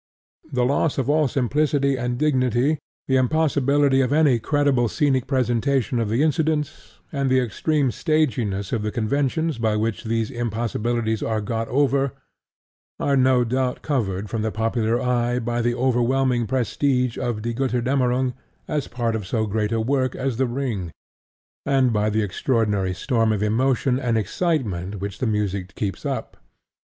The loss of all simplicity and dignity, the impossibility of any credible scenic presentation of the incidents, and the extreme staginess of the conventions by which these impossibilities are got over, are no doubt covered from the popular eye by the overwhelming prestige of Die Gotterdammerung as part of so great a work as The Ring, and by the extraordinary storm of emotion and excitement which the music keeps up.